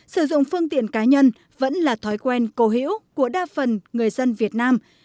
sử dụng phương tiện cá nhân vẫn là thói quen cố hữu của đa phần người dân việt nam